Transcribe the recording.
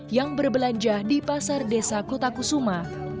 yang berbelanja di pasar desa kota kusuma